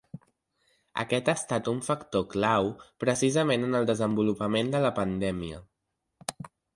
Aquest ha estat un factor clau precisament en el desenvolupament de la pandèmia.